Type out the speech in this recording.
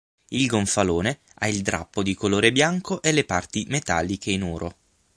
Il gonfalone ha il drappo di colore bianco e le parti metalliche in oro.